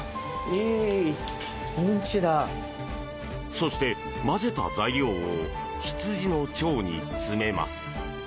そして、混ぜた材料を羊の腸に詰めます。